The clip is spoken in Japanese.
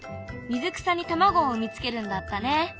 水草に卵を産み付けるんだったね。